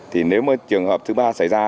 thì nếu mà trường hợp thứ ba xảy ra